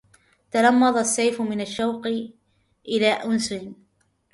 تلمظ السيف من شوق إلى أنس